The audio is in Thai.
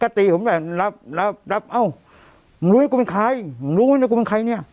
ตีผมแหละรับรับเอ้ามึงรู้ให้กูเป็นใครมึงรู้ไหมกูเป็นใครเนี่ย